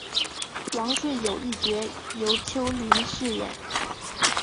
王顺友一角由邱林饰演。